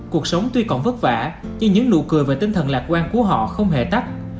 cuộc sống tuy còn vất vả nhưng những nụ cười và tinh thần lạc quan của họ không hề tắt